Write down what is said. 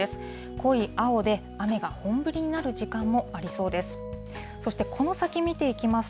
濃い青で、雨が本降りになる時間もありそうです。